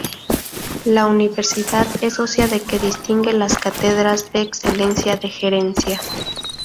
La Universidad es socia de que distingue las cátedras de excelencia de gerencia.